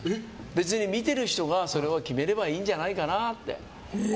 別に見てる人がそれは決めればいいんじゃないかなって。